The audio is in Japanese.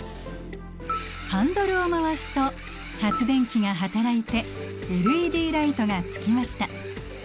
ハンドルを回すと発電機が働いてＬＥＤライトがつきました。